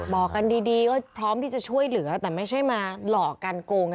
บอกกันดีก็พร้อมที่จะช่วยเหลือแต่ไม่ใช่มาหลอกกันโกง